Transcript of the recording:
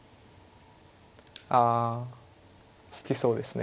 あ好きそうですね